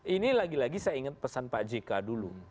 ini lagi lagi saya ingat pesan pak jk dulu